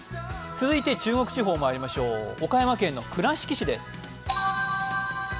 続いて、中国地方まいりましょう岡山県倉敷市です。